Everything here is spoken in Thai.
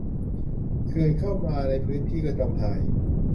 เขื่อนมาป่าในพื้นที่ก็จมหาย